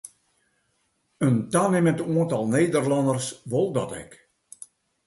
In tanimmend oantal Nederlânners wol dat ek.